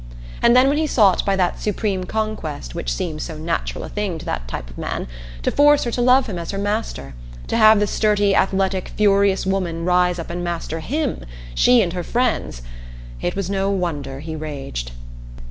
And then when he sought by that supreme conquest which seems so natural a thing to that type of man, to force her to love him as her master to have the sturdy athletic furious woman rise up and master him she and her friends it was no wonder he raged.